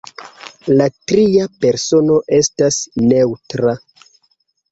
La tria persono estas neŭtra.